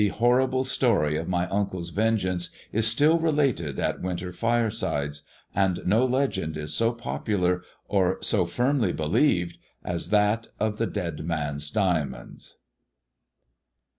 The horrible story of my uncle's vengeance is still related at winter firesides ; and no legend is so popular, or so firmly believed, as that of the Dead Man's Diamonds.